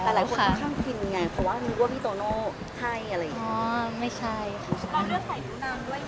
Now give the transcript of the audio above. แต่หลายคนค่ะทำคินไงเพราะว่าเพียงพี่จอโน่ให้อะไรอย่างเงี้ย